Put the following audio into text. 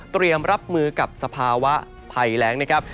เตรียมรับมือกับสภาวะภัยแรงนะครับ